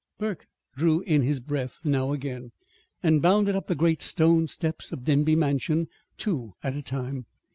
Burke drew in his breath now again, and bounded up the great stone steps of Denby Mansion, two at a time.